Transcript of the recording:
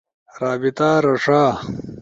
رابطہ رݜا